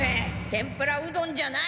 天ぷらうどんじゃない！